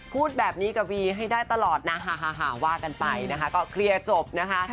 พูดแบบนี้กับวีให้ได้ตลอดนะหาว่ากันไปนะคะก็เคลียร์จบนะคะ